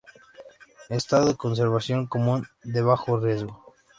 Estado de conservación: común, de bajo riesgo.